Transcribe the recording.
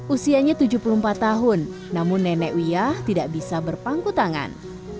usianya tujuh puluh empat tahun namun nenek wiyah tidak bisa berpangku tangan